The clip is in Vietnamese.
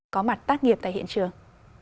có mặt tác nghiệp tại hiện trường